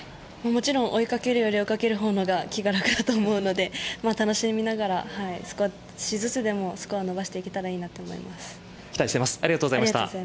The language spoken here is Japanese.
もちろん追いかけられるより追いかける方が気が楽だと思うので楽しみながら少しずつでもスコアを伸ばしていけたらなと期待しています。